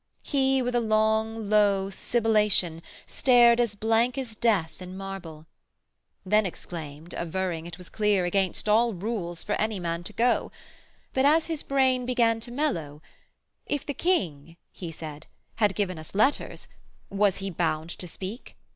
He with a long low sibilation, stared As blank as death in marble; then exclaimed Averring it was clear against all rules For any man to go: but as his brain Began to mellow, 'If the king,' he said, 'Had given us letters, was he bound to speak?